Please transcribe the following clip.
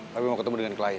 tapi mau ketemu dengan klien